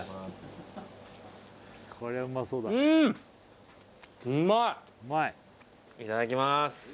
これいただきます